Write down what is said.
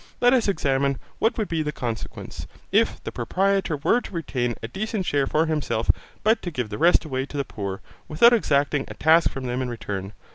Let us examine what would be the consequence, if the proprietor were to retain a decent share for himself, but to give the rest away to the poor, without exacting a task from them in return.